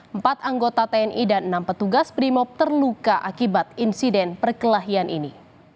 empat anggota tni dan enam petugas primop terluka akibat insiden perkelahian ini